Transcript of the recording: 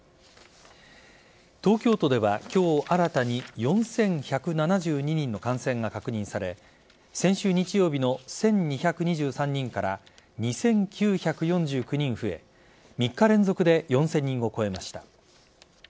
東京都では今日新たに４１７２人の感染が確認され先週日曜日の１２２３人から２９４９人増え３日連続で４０００人を超えました。